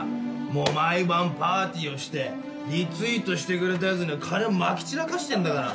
毎晩パーティーをしてリツイートしてくれたやつに金まき散らかしてんだから。